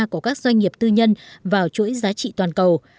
của các doanh nghiệp tư nhân vào chuỗi giá trị toàn cầu